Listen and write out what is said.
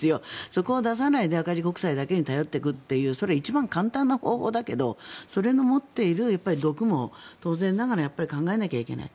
そこを出さないで赤字国債だけに頼っていくってそれは一番簡単な方法だけどそれの持っている毒も当然ながら考えなきゃいけない。